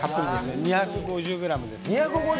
２５０ｇです。